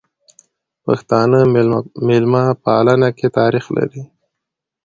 پښتانه ميلمه پالنې کی تاریخ لري.